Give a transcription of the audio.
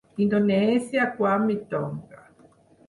Indonèsia, Guam i Tonga.